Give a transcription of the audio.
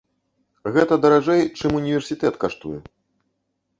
Гэта даражэй, чым універсітэт каштуе.